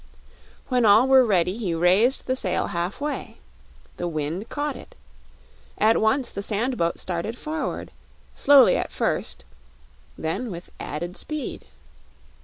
When all were ready he raised the sail half way. The wind caught it. At once the sand boat started forward slowly at first, then with added speed.